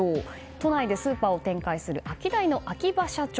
都内でスーパーを展開するアキダイの秋葉社長。